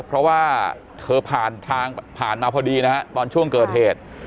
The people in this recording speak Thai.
เพราะว่าเธอผ่านทางผ่านมาพอดีนะฮะตอนช่วงเกิดเหตุ